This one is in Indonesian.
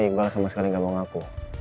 iqbal sama sekali gak mau ngaku